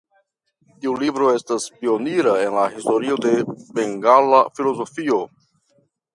Tiu libro estas pionira en la historio de bengala filozofio.